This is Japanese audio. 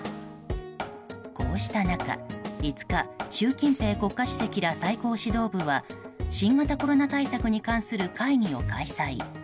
こうした中、５日習近平国家主席ら最高指導部は新型コロナ対策に関する会議を開催。